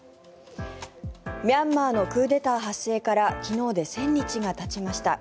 ミャンマーのクーデター発生から昨日で１０００日がたちました。